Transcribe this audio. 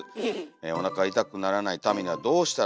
おなかがいたくならないためにはどうしたらいいですか？」。